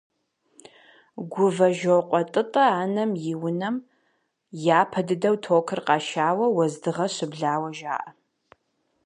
Гувэжокъуэ ТӀытӀэ анэм и унэм япэ дыдэу токыр къашауэ, уэздыгъэ щыблауэ жаӀэ.